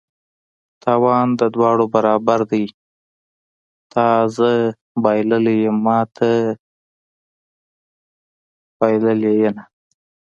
تاوان د دواړه برابر دي: تا زه بایللي یم ته ما بایلله ینه